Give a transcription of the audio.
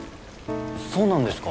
そうなんですか？